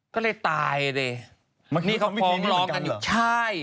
ก็เลยตายดินี่เขาฟ้องร้องกันอยู่ใช่